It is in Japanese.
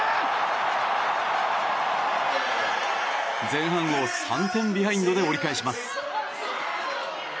前半を３点ビハインドで折り返します。